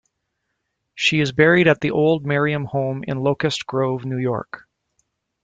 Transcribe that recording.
She is buried at the old Merriam home in Locust Grove, New York.